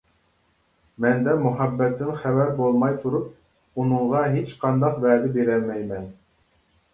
مەندە مۇھەببەتتىن خەۋەر بولماي تۇرۇپ ئۇنىڭغا ھېچقانداق ۋەدە بېرەلمەيمەن.